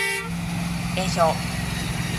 連勝